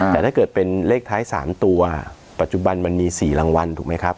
แต่ถ้าเกิดเป็นเลขท้าย๓ตัวปัจจุบันมันมี๔รางวัลถูกไหมครับ